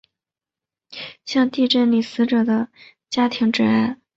向地震男死者的家庭致哀。